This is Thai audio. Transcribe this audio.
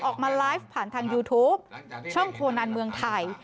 ออกมาไลฟ์ผ่านทางยูทูปช่องโคนันเมืองไทย